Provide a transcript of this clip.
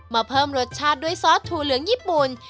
เพิ่มรสชาติด้วยซอสถั่วเหลืองญี่ปุ่น